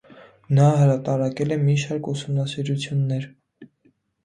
Նա հրատարակել է մի շարք ուսումնասիրություններ։